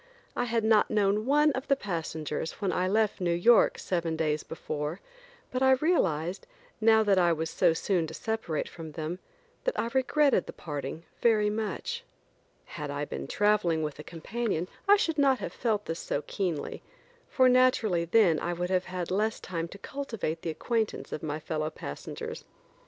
I had not known one of the passengers when I left New York seven days before, but I realized, now that I was so soon to separate from them, that I regretted the parting very much. Had I been traveling with a companion I should not have felt this so keenly, for naturally then I would have had less time to cultivate the acquaintance of my fellow passengers.